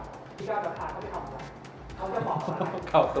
ถ้าเป็นคนในการการพิการ